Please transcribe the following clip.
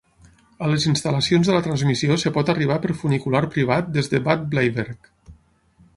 A les instal·lacions de la transmissió es pot arribar per funicular privat des de Bad Bleiberg.